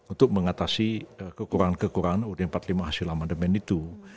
untuk mengatasi kekurangan kekurangan ud empat puluh lima hasil amandemen itu